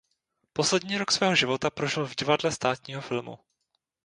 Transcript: Poslední rok svého života prožil v Divadle státního filmu.